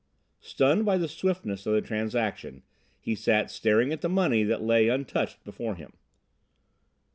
Stunned by the swiftness of the transaction, he sat staring at the money that lay untouched before him.